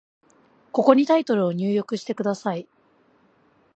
ここにタイトルを入力してください。